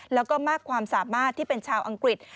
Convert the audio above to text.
แล้วก็มากความสามารถที่เป็นชาวอังกฤษ